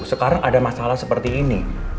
sekarang ada masalah seperti ini